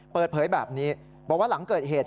เปิดเผยแบบนี้บอกว่าหลังเกิดเหตุ